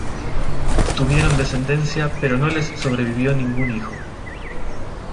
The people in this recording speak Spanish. Tuvieron descendencia pero no les sobrevivió ningún hijo.